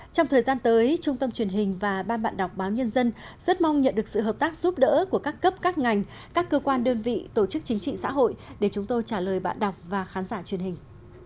trong thời gian tới trung tâm truyền hình và ban bạn đọc báo nhân dân rất mong nhận được sự hợp tác giúp đỡ của các cấp các ngành các cơ quan đơn vị tổ chức chính trị xã hội để chúng tôi trả lời bạn đọc và khán giả truyền hình